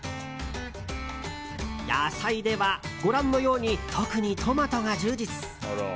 野菜では、ご覧のように特にトマトが充実。